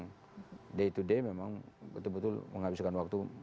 yang day to day memang betul betul menghabiskan waktu